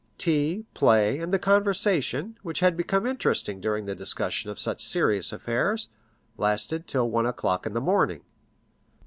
Tea, play, and the conversation, which had become interesting during the discussion of such serious affairs, lasted till one o'clock in the morning.